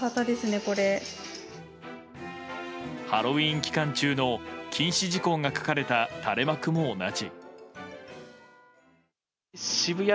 ハロウィーン期間中の禁止事項が書かれた垂れ幕も同じ。